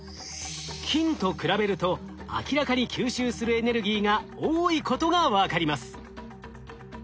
金と比べると明らかに吸収するエネルギーが多いことが分かります。